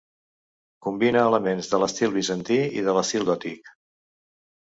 Combina elements de l'estil bizantí i de l'estil gòtic.